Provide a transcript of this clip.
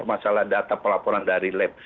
masalah data pelaporan dari lab